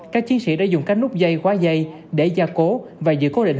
các chiến sĩ đã dùng các nút dây khóa dây để gia cố và giữ cố định